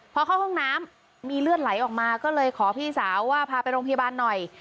พอเข้าห้องน้ำมีเลือดไหลออกมาก็เลยขอพี่สาวว่าพาไปโรงพยาบาลหน่อย